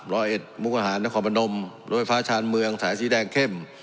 ร้อยเอ็ดมุกอาหารนครพนมรถไฟฟ้าชาญเมืองสายสีแดงเข้ม